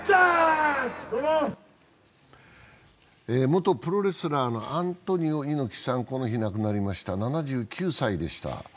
元プロレスラーのアントニオ猪木さん、この日、亡くなりました，７９歳でした。